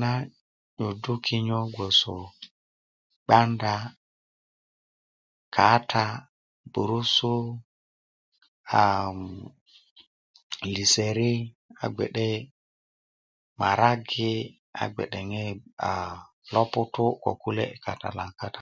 nan 'yuddu kinyo gboso gbanda' kaata' burusut aaam lisötit a gbe'de maragi' a gbe'deŋe aa loputu' kokule' loŋ kata